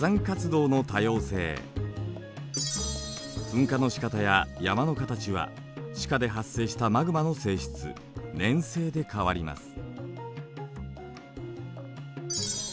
噴火のしかたや山の形は地下で発生したマグマの性質粘性で変わります。